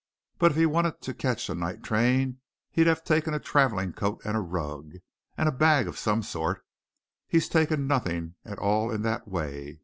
But if he'd wanted to catch a night train, he'd have taken a travelling coat, and a rug, and a bag of some sort he's taken nothing at all in that way.